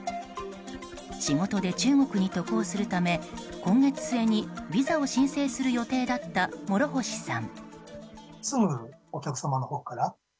仕事で中国に渡航するため今月末にビザを申請する予定だった諸星さん。